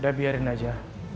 udah biarin aja